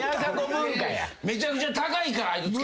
むちゃくちゃ高いっす。